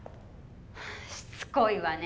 しつこいわね。